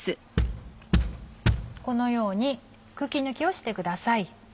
このように空気抜きをしてください。